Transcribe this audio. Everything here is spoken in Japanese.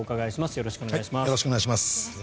よろしくお願いします。